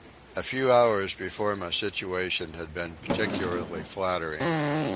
A few hours before my situation had been peculiarly flattering.